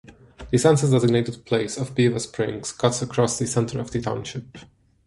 The census-designated place of Beaver Springs cuts across the center of the township.